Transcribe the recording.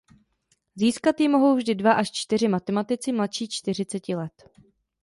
Získat ji mohou vždy dva až čtyři matematici mladší čtyřiceti let.